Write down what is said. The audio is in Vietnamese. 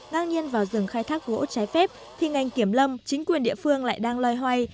ngang nhiên vào rừng khai thác gỗ trái phép thì ngành kiểm lâm chính quyền địa phương lại đang loay hoay